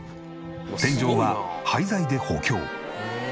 天井は廃材で補強。